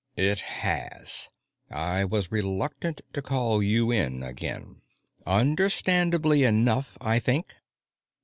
"It has. I was reluctant to call you in again understandably enough, I think."